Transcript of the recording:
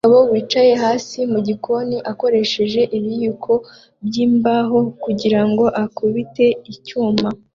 Umugabo wicaye hasi mugikoni akoresheje ibiyiko byimbaho kugirango akubite icyuma